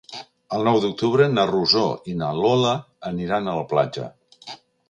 El nou d'octubre na Rosó i na Lola aniran a la platja.